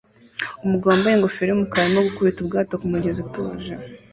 Umugabo wambaye ingofero yumukara arimo gukubita ubwato kumugezi utuje